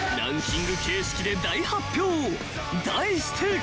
［題して］